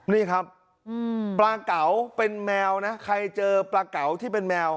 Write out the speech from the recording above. นี่ครับปลาเก๋าเป็นแมวนะใครเจอปลาเก๋าที่เป็นแมว